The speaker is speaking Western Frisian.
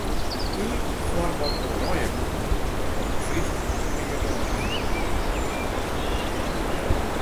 Tiid foar wat oranjekoek, want it Frysk kriget in rymwurdboek.